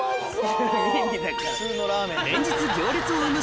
連日行列を生む